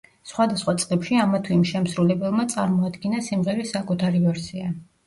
სხვადასხვა წლებში ამა თუ იმ შემსრულებელმა წარმოადგინა სიმღერის საკუთარი ვერსია.